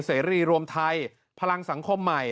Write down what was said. เสรีรวมไทยพลังสังคมใหม่